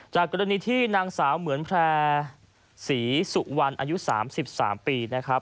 จากกรณีที่นางสาวเหมือนแพร่ศรีสุวรรณอายุ๓๓ปีนะครับ